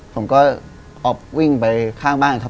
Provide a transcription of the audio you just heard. ผมก็ออกวิ่งไปข้างบ้านครับ